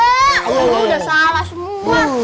lo udah salah semua